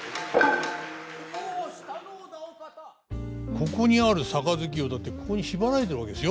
ここにある盃をだって縛られてるわけですよ。